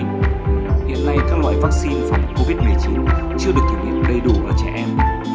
hiện nay các loại vắc xin phòng covid một mươi chín chưa được thử nghiệm đầy đủ ở trẻ em